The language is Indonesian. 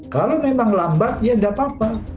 kalau memang lambat ya tidak apa apa